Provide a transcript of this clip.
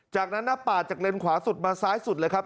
จากนั้นปาดจากเลนขวาสุดมาซ้ายสุดเลยครับ